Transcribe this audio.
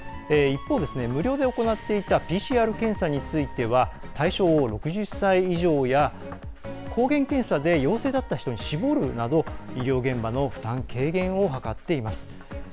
一方、無料で行っていたＰＣＲ検査については対象を６０歳以上や抗原検査で陽性だった人に絞るなど医療現場の負担軽減を図っています。